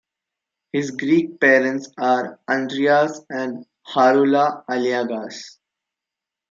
His Greek parents are Andreas and Harula Aliagas.